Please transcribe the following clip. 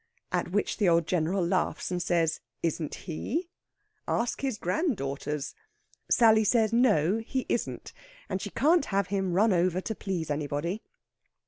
At which the old General laughs, and says isn't he? Ask his granddaughters! Sally says no, he isn't, and she can't have him run over to please anybody.